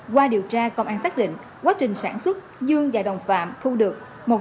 qua điều tra công an xác định quá trình sản xuất dương và đồng phạm thu được